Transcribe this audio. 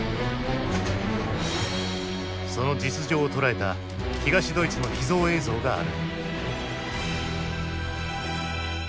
その実情を捉えた東ドイツの秘蔵映像がある。